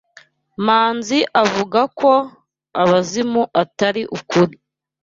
Manzi avuga ko abazimu atari ukuri.